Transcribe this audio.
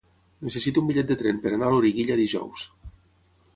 Necessito un bitllet de tren per anar a Loriguilla dijous.